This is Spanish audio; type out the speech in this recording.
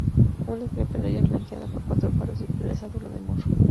Una amplia parrilla flanqueada por cuatro faros circulares adorna el morro.